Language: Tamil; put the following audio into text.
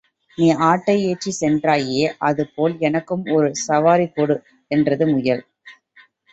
நீ ஆட்டை ஏற்றிச் சென்றாயே, அதேபோல் எனக்கும் ஒரு சவாரி கொடு என்றது முயல்.